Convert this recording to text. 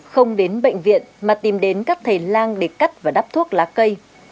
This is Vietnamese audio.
không đến bệnh viện mà tìm đến các thầy lang để cắt và đắp thuốc lá cây